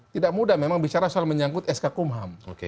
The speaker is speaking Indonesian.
tidak mudah memang bicara soal menyangkut sk kumham